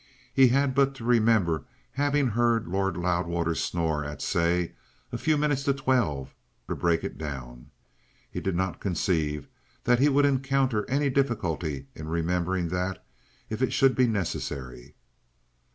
He had but to remember having heard Lord Loudwater snore at, say, a few minutes to twelve, to break it down. He did not conceive that he would encounter any difficulty in remembering that if it should be necessary.